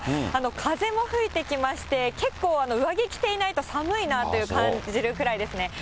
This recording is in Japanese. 風も吹いてきまして、結構上着着ていないと寒いなと感じるぐらいですね。